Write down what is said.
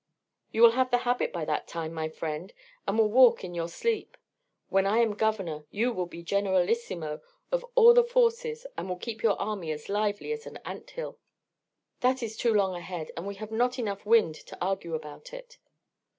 "You will have the habit by that time, my friend, and will walk in your sleep. When I am governor you will be generalissimo of all the forces and will keep your army as lively as an ant hill." "That is too long ahead, and we have not enough wind to argue about it.